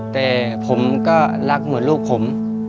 แต่ผมก็รักเหมือนลูกผม